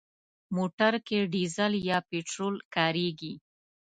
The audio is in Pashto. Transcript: موټر کې ډيزل یا پټرول کارېږي.